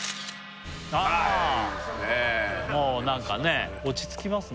あもう何かね落ち着きますね